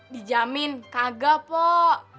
dijamin kagak pok